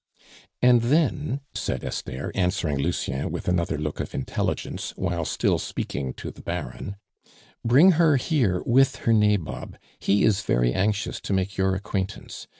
"And them," said Esther, answering Lucien with another look of intelligence, while still speaking to the Baron, "bring her here with her nabob; he is very anxious to make your acquaintance.